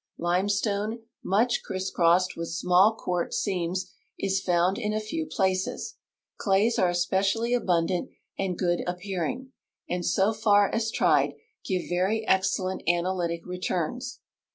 Limestone much criss crossed with small quartz seams is found in a few places. Claj^s are especially al)undant and good appearing, and, so far as tried, give very ex cellent analytic returns.